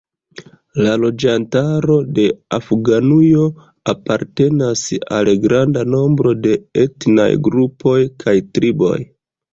La loĝantaro de Afganujo apartenas al granda nombro de etnaj grupoj kaj triboj.